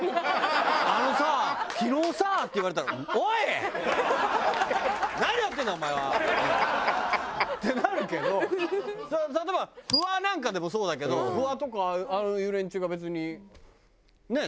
「あのさ昨日さ」って言われたら「おい！何やってんだお前は」。ってなるけど例えばフワなんかでもそうだけどフワとかああいう連中が別にねえ？